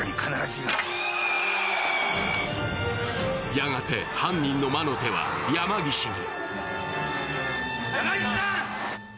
やがて犯人の魔の手は山岸に。